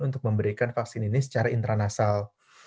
untuk memberikan vaksin ini secara intranasal